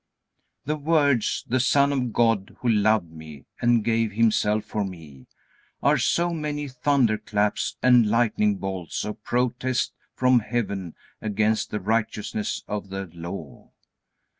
The words, "The Son of God who loved me, and gave Himself for me," are so many thunderclaps and lightning bolts of protest from heaven against the righteousness of the Law.